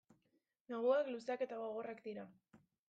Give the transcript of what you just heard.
Neguak luzeak eta gogorrak dira.